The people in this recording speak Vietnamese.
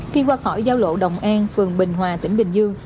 khi qua khỏi giao lộ đồng an phường bình hòa tỉnh bình dương